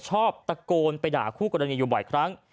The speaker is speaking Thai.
ชอบตะโกนไปด่าคู่กรณีอยู่บ่อยครั้ง